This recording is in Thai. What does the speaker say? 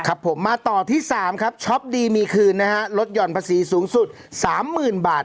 ครับผมมาต่อที่๓ครับช็อปดีมีคืนนะฮะลดหย่อนภาษีสูงสุดสามหมื่นบาท